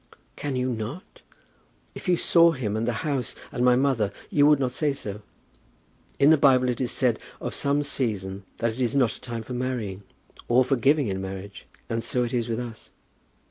"Can you not? If you saw him, and the house, and my mother, you would not say so. In the Bible it is said of some season that it is not a time for marrying, or for giving in marriage. And so it is with us."